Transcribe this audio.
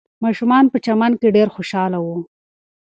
ماشومان په چمن کې ډېر خوشحاله وو.